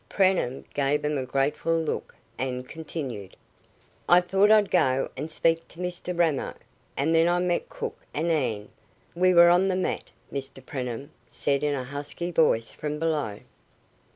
Preenham gave him a grateful look and continued: "I thought I'd go and speak to Mr Ramo, and then I met Cook and Anne." "We were on the mat, Mr Preenham," said a husky voice from below.